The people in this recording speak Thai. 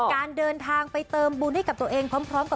การเดินทางไปเติมบุญให้กับตัวเอง